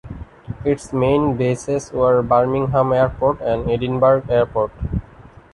Its main bases were Birmingham Airport and Edinburgh Airport.